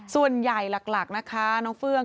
ส่วนใหญ่หลักนะคะน้องเฟื่อง